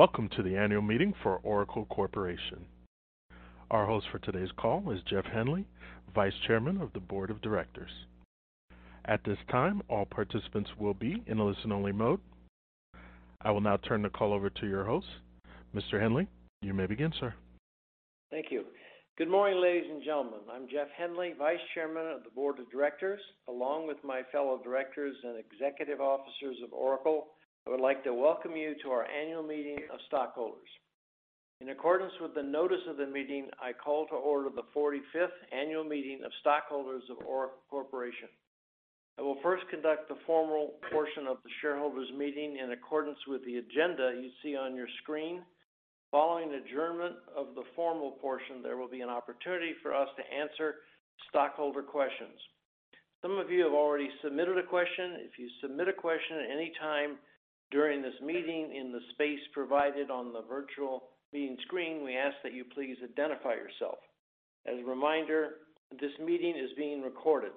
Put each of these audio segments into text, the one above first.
Welcome to the annual meeting for Oracle Corporation. Our host for today's call is Jeff Henley, Vice Chairman of the Board of Directors. At this time, all participants will be in a listen-only mode. I will now turn the call over to your host. Mr. Henley, you may begin, sir. Thank you. Good morning, ladies and gentlemen. I'm Jeff Henley, Vice Chairman of the Board of Directors. Along with my fellow directors and executive officers of Oracle, I would like to welcome you to our annual meeting of stockholders. In accordance with the notice of the meeting, I call to order the 45th annual meeting of stockholders of Oracle Corporation. I will first conduct the formal portion of the shareholders meeting in accordance with the agenda you see on your screen. Following the adjournment of the formal portion, there will be an opportunity for us to answer stockholder questions. Some of you have already submitted a question. If you submit a question at any time during this meeting in the space provided on the virtual meeting screen, we ask that you please identify yourself. As a reminder, this meeting is being recorded.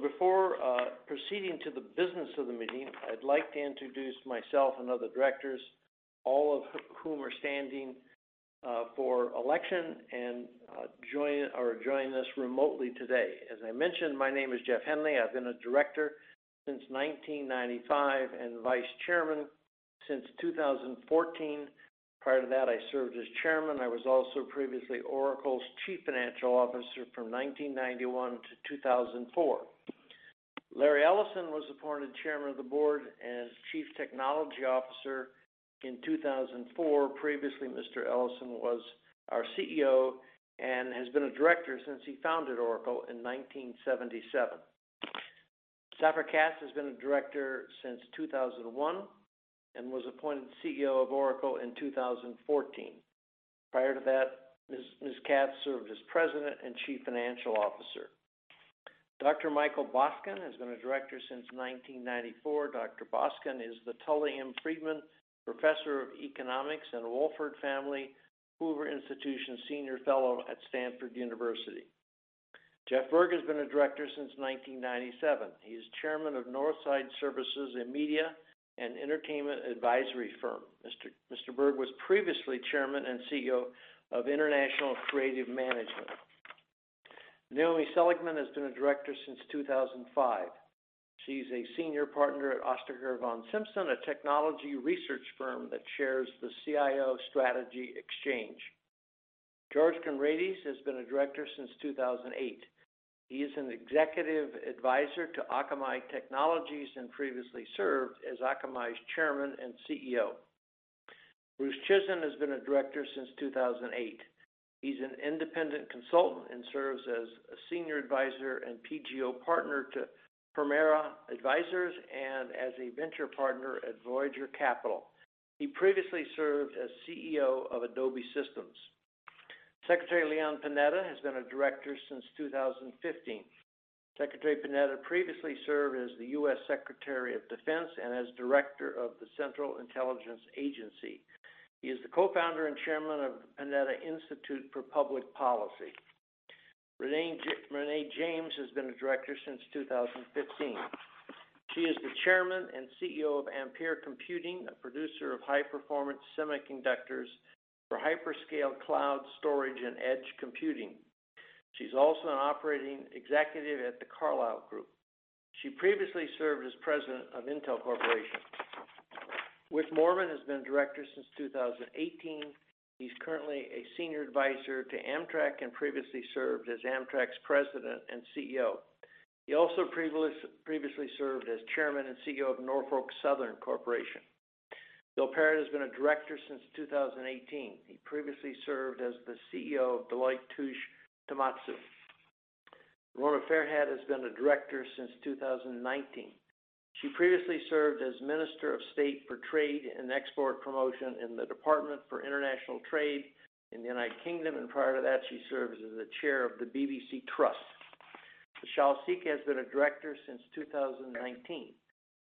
Before proceeding to the business of the meeting, I'd like to introduce myself and other directors, all of whom are standing for election and are joining us remotely today. As I mentioned, my name is Jeff Henley. I've been a director since 1995 and vice chairman since 2014. Prior to that, I served as chairman. I was also previously Oracle's chief financial officer from 1991 to 2004. Larry Ellison was appointed chairman of the board and as chief technology officer in 2004. Previously, Mr. Ellison was our CEO and has been a director since he founded Oracle in 1977. Safra Catz has been a director since 2001 and was appointed CEO of Oracle in 2014. Prior to that, Ms. Catz served as president and chief financial officer. Dr. Michael Boskin has been a director since 1994. Dr. Boskin is the Tully M. Friedman Professor of Economics and Wohlford Family Hoover Institution Senior Fellow at Stanford University. Jeff Berg has been a director since 1997. He is chairman of Northside Services, a media and entertainment advisory firm. Mr. Berg was previously chairman and CEO of International Creative Management. Naomi Seligman has been a director since 2005. She's a senior partner at Ostriker von Simson, a technology research firm that chairs the CIO Strategy Exchange. George Conrades has been a director since 2008. He is an executive advisor to Akamai Technologies and previously served as Akamai's chairman and CEO. Bruce Chizen has been a director since 2008. He's an independent consultant and serves as a senior advisor and partner to Permira Advisors and as a venture partner at Voyager Capital. He previously served as CEO of Adobe Inc. Secretary Leon Panetta has been a director since 2015. Secretary Panetta previously served as the U.S. Secretary of Defense and as director of the Central Intelligence Agency. He is the co-founder and chairman of Panetta Institute for Public Policy. Renée James has been a director since 2015. She is the chairman and CEO of Ampere Computing, a producer of high-performance semiconductors for hyperscale cloud storage and edge computing. She's also an operating executive at The Carlyle Group. She previously served as president of Intel Corporation. Charles (Wick) Moorman IV has been a director since 2018. He's currently a senior advisor to Amtrak and previously served as Amtrak's president and CEO. He also previously served as chairman and CEO of Norfolk Southern Corporation. Bill Parrett has been a director since 2018. He previously served as the CEO of Deloitte Touche Tohmatsu. Rona Fairhead has been a director since 2019. She previously served as Minister of State for Trade and Export Promotion in the Department for International Trade in the United Kingdom, and prior to that, she served as the chair of the BBC Trust. Vishal Sikka has been a director since 2019.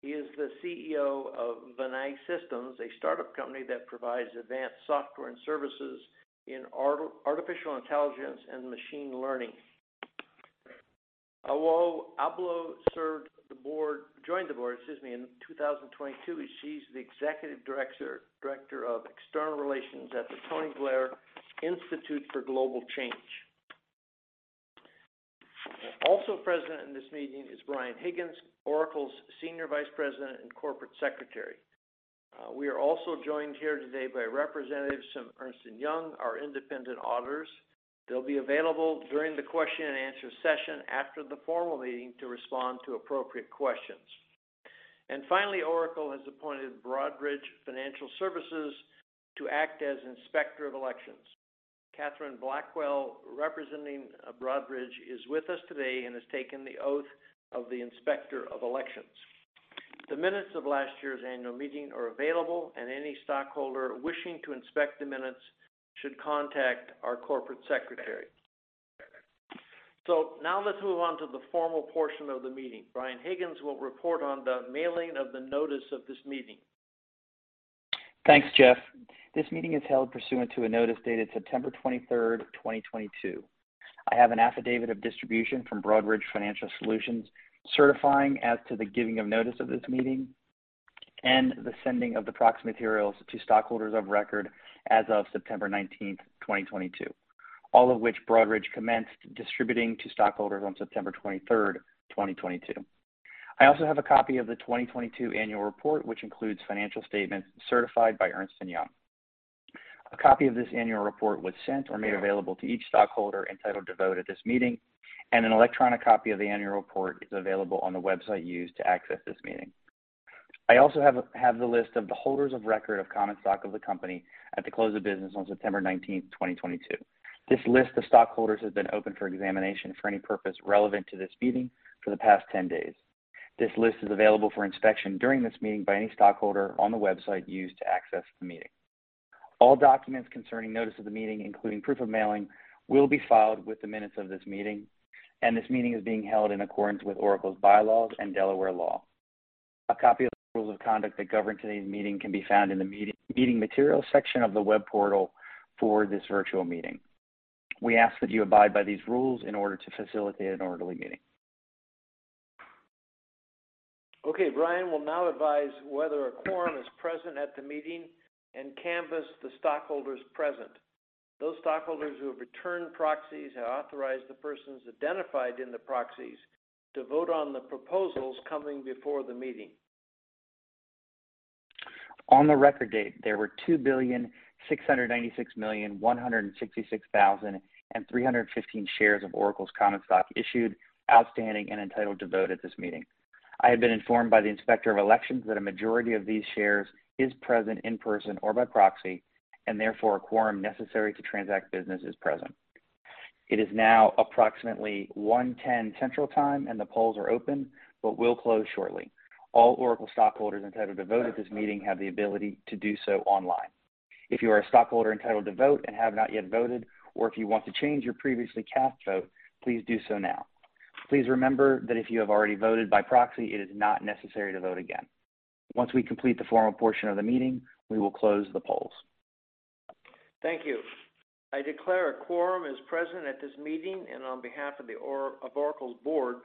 He is the CEO of Vianai Systems, a startup company that provides advanced software and services in artificial intelligence and machine learning. Awo Ablo joined the board, excuse me, in 2022. She's the executive director of external relations at the Tony Blair Institute for Global Change. Also present in this meeting is Brian Higgins, Oracle's senior vice president and corporate secretary. We are also joined here today by representatives from Ernst & Young, our independent auditors. They'll be available during the question and answer session after the formal meeting to respond to appropriate questions. Finally, Oracle has appointed Broadridge Financial Solutions to act as inspector of elections. Katherine B. Blackburn, representing Broadridge, is with us today and has taken the oath of the inspector of elections. The minutes of last year's annual meeting are available, and any stockholder wishing to inspect the minutes should contact our corporate secretary. Now let's move on to the formal portion of the meeting. Brian Higgins will report on the mailing of the notice of this meeting. Thanks, Jeff. This meeting is held pursuant to a notice dated September twenty-third, twenty twenty-two. I have an affidavit of distribution from Broadridge Financial Solutions certifying as to the giving of notice of this meeting and the sending of the proxy materials to stockholders of record as of September 19, 2022. All of which Broadridge commenced distributing to stockholders on September 23, 2022. I also have a copy of the 2022 annual report, which includes financial statements certified by Ernst & Young. A copy of this annual report was sent or made available to each stockholder entitled to vote at this meeting, and an electronic copy of the annual report is available on the website used to access this meeting. I also have the list of the holders of record of common stock of the company at the close of business on September 19, 2022. This list of stockholders has been open for examination for any purpose relevant to this meeting for the past 10 days. This list is available for inspection during this meeting by any stockholder on the website used to access the meeting. All documents concerning notice of the meeting, including proof of mailing, will be filed with the minutes of this meeting, and this meeting is being held in accordance with Oracle's bylaws and Delaware law. A copy of the rules of conduct that govern today's meeting can be found in the meeting materials section of the web portal for this virtual meeting. We ask that you abide by these rules in order to facilitate an orderly meeting. Okay, Brian will now advise whether a quorum is present at the meeting and canvass the stockholders present. Those stockholders who have returned proxies have authorized the persons identified in the proxies to vote on the proposals coming before the meeting. On the record date, there were 2,696,116,315 shares of Oracle's common stock issued, outstanding, and entitled to vote at this meeting. I have been informed by the Inspector of Elections that a majority of these shares is present in person or by proxy, and therefore a quorum necessary to transact business is present. It is now approximately 1:10 Central Time and the polls are open but will close shortly. All Oracle stockholders entitled to vote at this meeting have the ability to do so online. If you are a stockholder entitled to vote and have not yet voted, or if you want to change your previously cast vote, please do so now. Please remember that if you have already voted by proxy, it is not necessary to vote again. Once we complete the formal portion of the meeting, we will close the polls. Thank you. I declare a quorum is present at this meeting. On behalf of Oracle's board,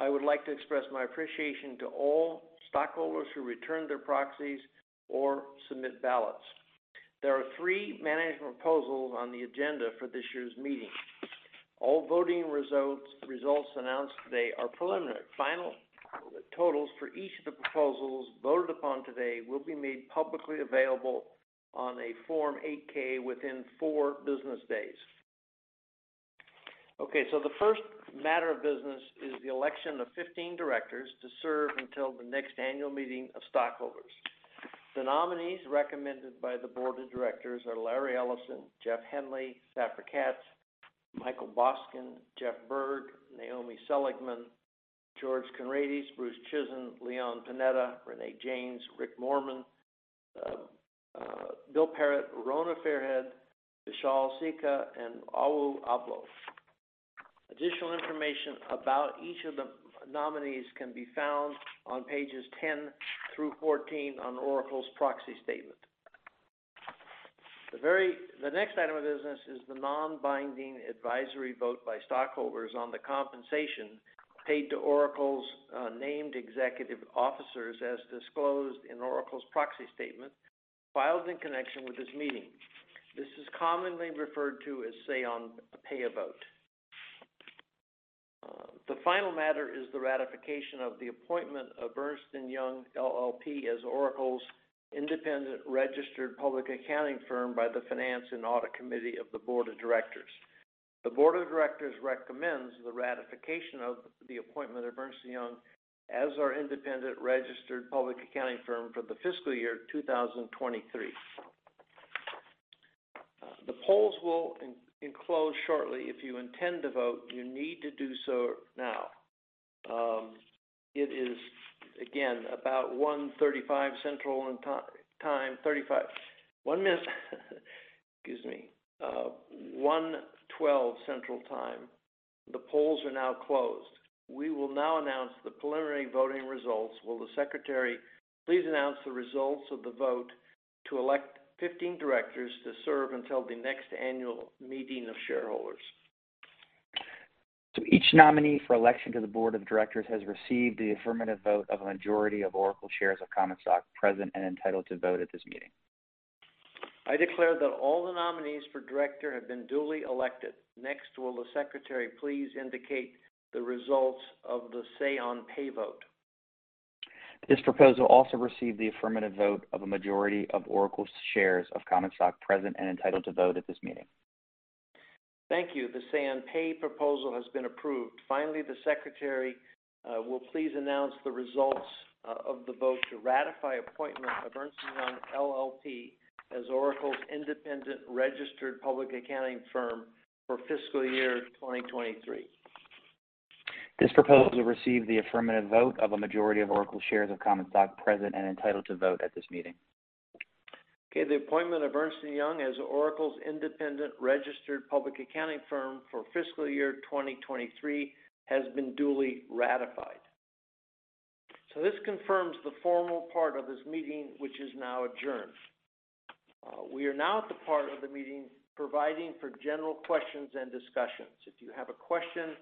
I would like to express my appreciation to all stockholders who return their proxies or submit ballots. There are three management proposals on the agenda for this year's meeting. All voting results announced today are preliminary. Final totals for each of the proposals voted upon today will be made publicly available on a Form 8-K within four business days. Okay, the first matter of business is the election of 15 directors to serve until the next annual meeting of stockholders. The nominees recommended by the board of directors are Larry Ellison, Jeff Henley, Safra Catz, Michael Boskin, Jeff Berg, Naomi Seligman, George Conrades, Bruce Chizen, Leon Panetta, Renée James, Wick Moorman, Bill Parrett, Rona Fairhead, Vishal Sikka, and Awo Ablo. Additional information about each of the nominees can be found on pages 10 through 14 on Oracle's proxy statement. The next item of business is the non-binding advisory vote by stockholders on the compensation paid to Oracle's named executive officers as disclosed in Oracle's proxy statement filed in connection with this meeting. This is commonly referred to as say on pay vote. The final matter is the ratification of the appointment of Ernst & Young LLP as Oracle's independent registered public accounting firm by the Finance and Audit Committee of the Board of Directors. The Board of Directors recommends the ratification of the appointment of Ernst & Young as our independent registered public accounting firm for the fiscal year 2023. The polls will close shortly. If you intend to vote, you need to do so now. It is 1:12 Central Time. The polls are now closed. We will now announce the preliminary voting results. Will the secretary please announce the results of the vote to elect 15 directors to serve until the next annual meeting of shareholders? Each nominee for election to the board of directors has received the affirmative vote of a majority of Oracle shares of common stock present and entitled to vote at this meeting. I declare that all the nominees for director have been duly elected. Next, will the secretary please indicate the results of the say on pay vote? This proposal also received the affirmative vote of a majority of Oracle's shares of common stock present and entitled to vote at this meeting. Thank you. The say on pay proposal has been approved. Finally, the secretary will please announce the results of the vote to ratify appointment of Ernst & Young LLP as Oracle's independent registered public accounting firm for fiscal year 2023. This proposal received the affirmative vote of a majority of Oracle shares of common stock present and entitled to vote at this meeting. Okay. The appointment of Ernst & Young as Oracle's independent registered public accounting firm for fiscal year 2023 has been duly ratified. This confirms the formal part of this meeting, which is now adjourned. We are now at the part of the meeting providing for general questions and discussions. If you have a question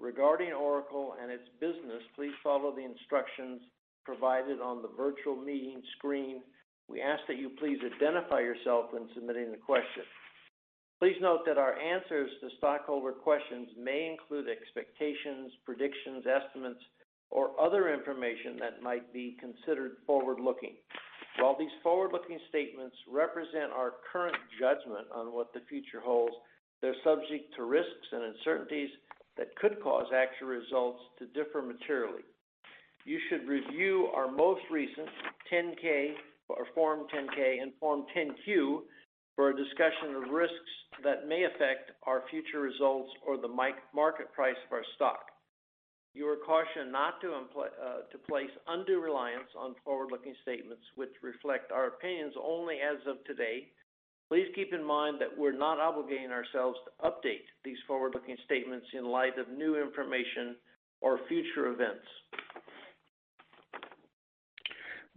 regarding Oracle and its business, please follow the instructions provided on the virtual meeting screen. We ask that you please identify yourself when submitting the question. Please note that our answers to stockholder questions may include expectations, predictions, estimates, or other information that might be considered forward-looking. While these forward-looking statements represent our current judgment on what the future holds, they're subject to risks and uncertainties that could cause actual results to differ materially. You should review our most recent 10-K or Form 10-K and Form 10-Q for a discussion of risks that may affect our future results or the market price of our stock. You are cautioned not to place undue reliance on forward-looking statements which reflect our opinions only as of today. Please keep in mind that we're not obligating ourselves to update these forward-looking statements in light of new information or future events.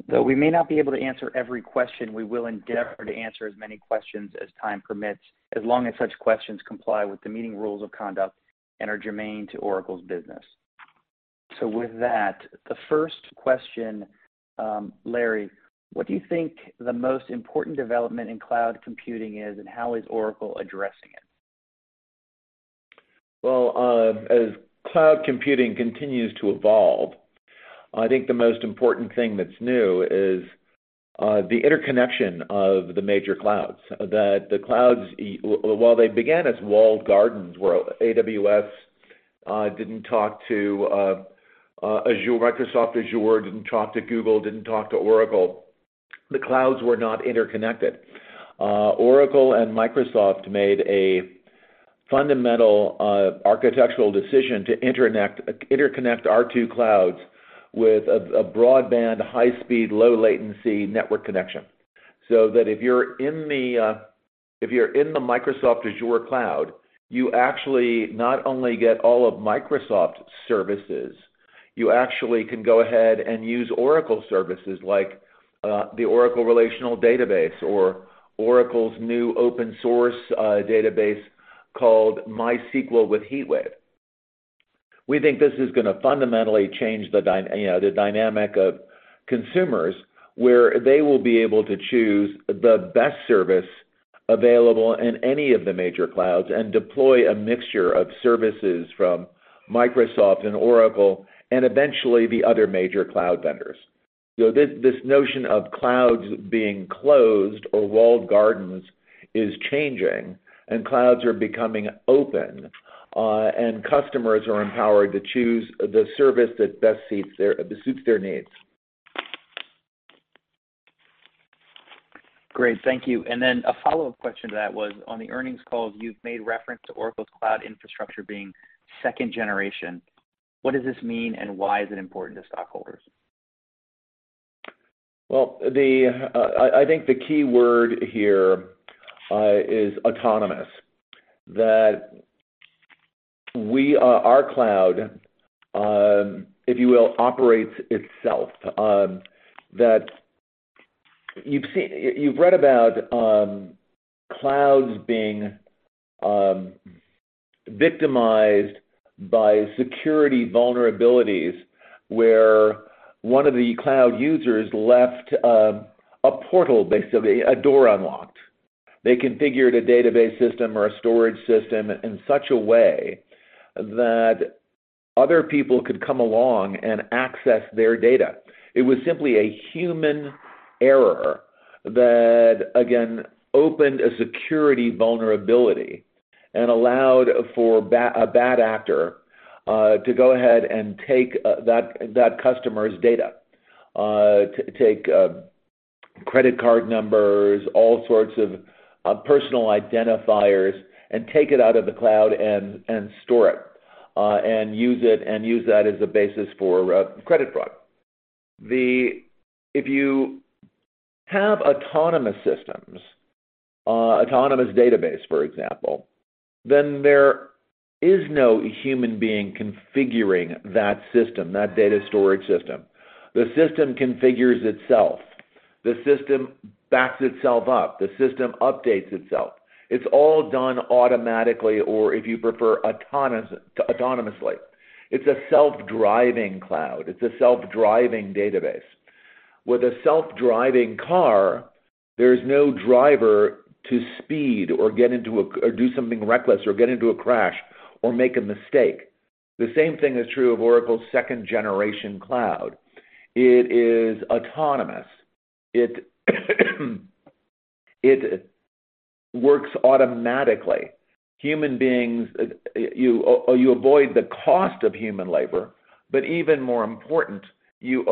Though we may not be able to answer every question, we will endeavor to answer as many questions as time permits, as long as such questions comply with the meeting rules of conduct and are germane to Oracle's business. With that, the first question, Larry, what do you think the most important development in cloud computing is, and how is Oracle addressing it? Well, as cloud computing continues to evolve, I think the most important thing that's new is the interconnection of the major clouds. That the clouds, while they began as walled gardens where AWS didn't talk to Azure, Microsoft Azure didn't talk to Google, didn't talk to Oracle. The clouds were not interconnected. Oracle and Microsoft made a fundamental architectural decision to interconnect our two clouds with a broadband, high-speed, low latency network connection. So that if you're in the Microsoft Azure cloud, you actually not only get all of Microsoft's services, you actually can go ahead and use Oracle services like the Oracle Relational Database or Oracle's new open source database called MySQL HeatWave. We think this is gonna fundamentally change you know, the dynamic of consumers, where they will be able to choose the best service available in any of the major clouds and deploy a mixture of services from Microsoft and Oracle and eventually the other major cloud vendors. This notion of clouds being closed or walled gardens is changing, and clouds are becoming open, and customers are empowered to choose the service that best suits their needs. Great. Thank you. A follow-up question to that was, on the earnings call, you've made reference to Oracle's cloud infrastructure being second generation. What does this mean and why is it important to stockholders? Well, I think the key word here is autonomous. Our cloud, if you will, operates itself. You've read about clouds being victimized by security vulnerabilities, where one of the cloud users left a portal, basically, a door unlocked. They configured a database system or a storage system in such a way that other people could come along and access their data. It was simply a human error that, again, opened a security vulnerability and allowed for a bad actor to go ahead and take that customer's data. Take credit card numbers, all sorts of personal identifiers, and take it out of the cloud and store it and use it, and use that as a basis for credit fraud. If you have autonomous systems, autonomous database, for example, then there is no human being configuring that system, that data storage system. The system configures itself. The system backs itself up. The system updates itself. It's all done automatically or, if you prefer, autonomously. It's a self-driving cloud. It's a self-driving database. With a self-driving car, there's no driver to speed or get into a or do something reckless or get into a crash or make a mistake. The same thing is true of Oracle's second-generation cloud. It is autonomous. It works automatically. Human beings, you, or you avoid the cost of human labor, but even more important, you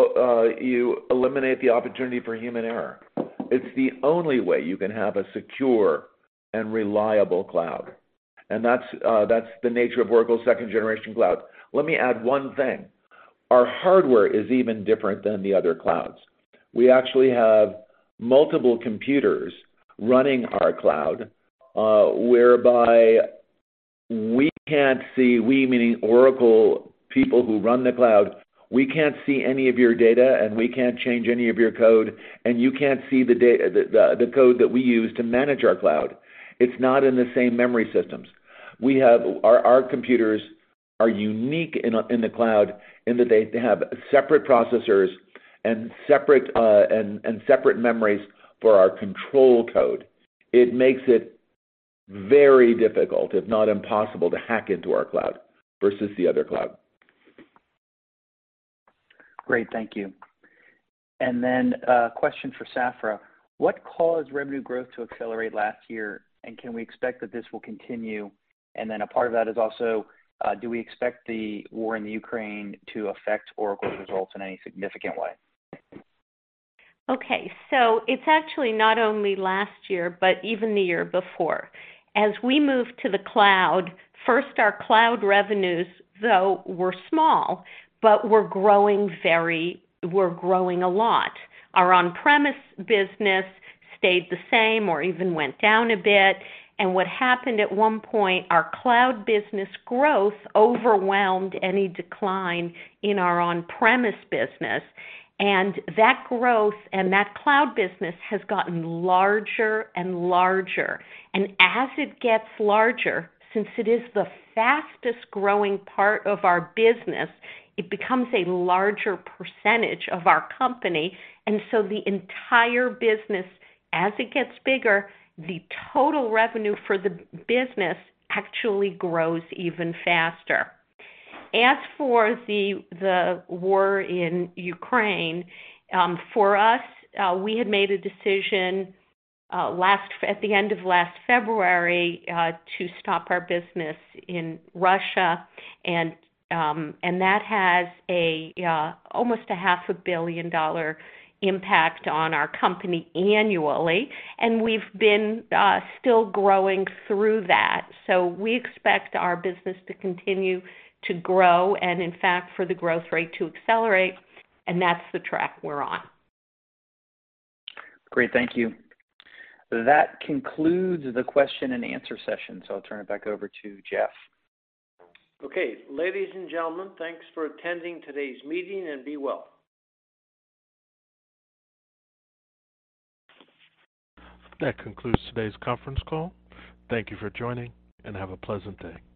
eliminate the opportunity for human error. It's the only way you can have a secure and reliable cloud. That's the nature of Oracle's second-generation cloud. Let me add one thing. Our hardware is even different than the other clouds. We actually have multiple computers running our cloud, whereby we can't see, we meaning Oracle people who run the cloud, we can't see any of your data, and we can't change any of your code, and you can't see the code that we use to manage our cloud. It's not in the same memory systems. Our computers are unique in the cloud in that they have separate processors and separate memories for our control code. It makes it very difficult, if not impossible, to hack into our cloud versus the other cloud. Great. Thank you. A question for Safra. What caused revenue growth to accelerate last year, and can we expect that this will continue? A part of that is also, do we expect the war in the Ukraine to affect Oracle's results in any significant way? Okay, it's actually not only last year, but even the year before. As we moved to the cloud, first, our cloud revenues, though were small, but were growing a lot. Our on-premise business stayed the same or even went down a bit. What happened at one point, our cloud business growth overwhelmed any decline in our on-premise business. That growth and that cloud business has gotten larger and larger. As it gets larger, since it is the fastest-growing part of our business, it becomes a larger percentage of our company. The entire business, as it gets bigger, the total revenue for the business actually grows even faster. As for the war in Ukraine, for us, we had made a decision at the end of last February to stop our business in Russia and that has almost a half a billion-dollar impact on our company annually, and we've been still growing through that. We expect our business to continue to grow and in fact, for the growth rate to accelerate. That's the track we're on. Great, thank you. That concludes the question and answer session, so I'll turn it back over to Jeff. Okay. Ladies and gentlemen, thanks for attending today's meeting, and be well. That concludes today's conference call. Thank you for joining, and have a pleasant day.